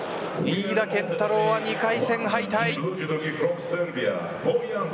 飯田健太郎は２回戦敗退。